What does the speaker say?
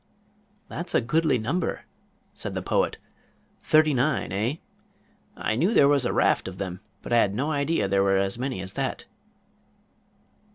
"That is a goodly number," said the Poet. "Thirty nine, eh? I knew there was a raft of them, but I had no idea there were as many as that."